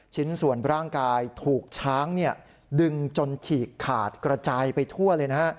ชิ้นส่วนร่างกายถูกช้างดึงจนฉีกขาดกระจายไปทั่วเลยนะฮะ